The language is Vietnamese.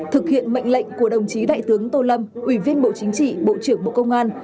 thực hiện mệnh lệnh của đồng chí đại tướng tô lâm ủy viên bộ chính trị bộ trưởng bộ công an